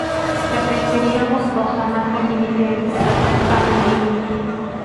La crestería boscosa marca el límite entre la Toscana y Emilia.